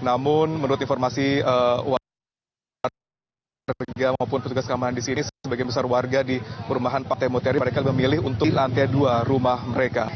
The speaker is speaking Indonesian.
namun menurut informasi warga maupun petugas keamanan di sini sebagian besar warga di perumahan pantai mutiara mereka memilih untuk lantai dua rumah mereka